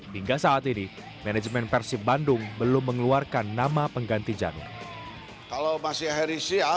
hingga saat ini manajemen persib bandung belum mengeluarkan nama pengganti janur